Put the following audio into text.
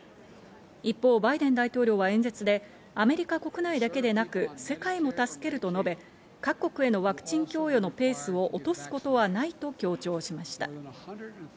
一方、バイデン大統領は演説で、アメリカ国内だけでなく世界も助けると述べ、各国へのワクチン供与のペースを落とすことはないと強調しました。